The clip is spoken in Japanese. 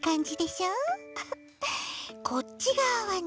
こっちがわはね